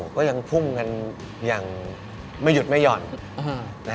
ก็ยังพุ่งกันอย่างไม่หยุดไม่หย่อน